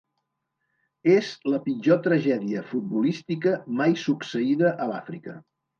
És la pitjor tragèdia futbolística mai succeïda a l'Àfrica.